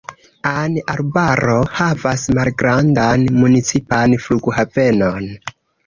An-Arbaro havas malgrandan, municipan flughavenon.